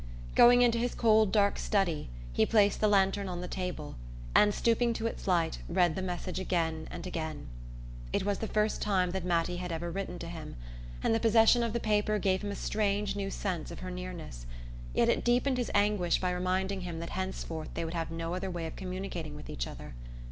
Going into his cold dark "study" he placed the lantern on the table and, stooping to its light, read the message again and again. It was the first time that Mattie had ever written to him, and the possession of the paper gave him a strange new sense of her nearness; yet it deepened his anguish by reminding him that henceforth they would have no other way of communicating with each other.